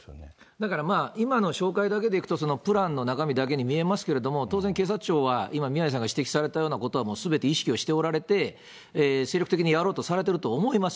だから今の紹介だけでいくと、プランの中身だけに見えますけれども、当然、警察庁は今、宮根さんが指摘されたようなことはすでに意識をしておられて、精力的にやろうとされていると思います。